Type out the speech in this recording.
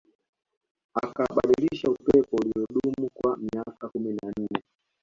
Akabadilisha upepo uliodumu kwa miaka kumi na nne